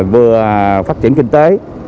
vừa phát triển kinh tế